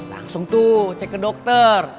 langsung tuh cek ke dokter